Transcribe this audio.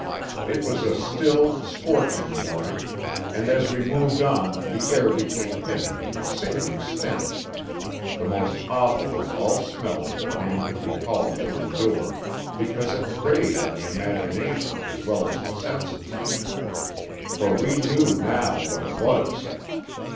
It was a still, scorching morning, and as we moved on the air became heavy with a sickening stench, the most awful of all smells that man can be called to endure, because it preyed on the imagination as well as the senses. For we knew now what it was.